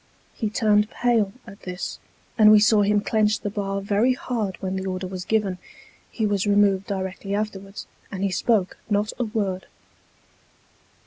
He turned pale at this, and we saw him clench the bar very hard when the order was given. He was removed directly afterwards, and he spoke not a word.